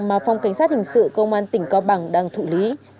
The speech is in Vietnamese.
mà phòng cảnh sát hình sự công an tỉnh cao bằng đang thụ lý